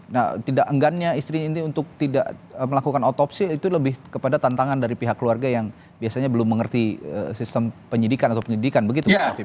nah tidak enggannya istrinya ini untuk tidak melakukan otopsi itu lebih kepada tantangan dari pihak keluarga yang biasanya belum mengerti sistem penyidikan atau penyidikan begitu mas afif